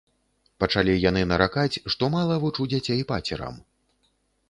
Пачалі яны наракаць, што мала вучу дзяцей пацерам.